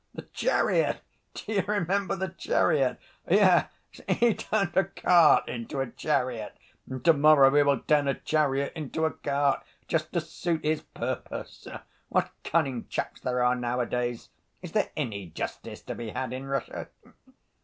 "The chariot! Do you remember the chariot?" "Yes; he turned a cart into a chariot!" "And to‐morrow he will turn a chariot into a cart, just to suit his purpose." "What cunning chaps there are nowadays! Is there any justice to be had in Russia?"